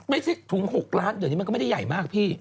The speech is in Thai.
ไม่ใช่ถุง๖ล้านเดี๋ยวนี้มันก็ไม่ได้ใหญ่มากพี่